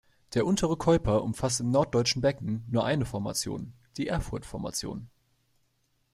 Der Untere Keuper umfasst im Norddeutschen Becken nur eine Formation, die Erfurt-Formation.